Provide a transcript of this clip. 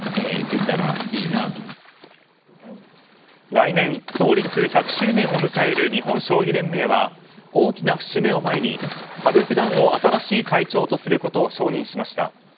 来年、創立１００周年を迎える日本将棋連盟は大きな節目を前に、羽生九段を新しい会長とすることを承認しました。